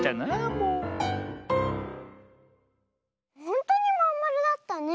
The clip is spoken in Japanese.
ほんとにまんまるだったね！